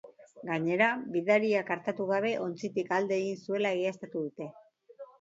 Gainera, bidaiariak artatu gabe ontzitik alde egin zuela egiaztatu dute.